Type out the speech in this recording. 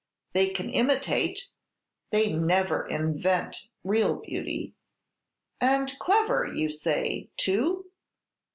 They can imitate, they never invent real beauty." "And clever, you say, too?"